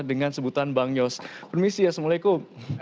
dengan sebutan bang yos permisi assalamualaikum